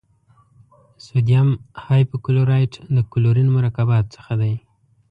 سوډیم هایپو کلورایټ د کلورین مرکباتو څخه دی.